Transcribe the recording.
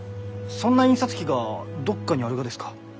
そんな印刷機がどっかにあるがですか？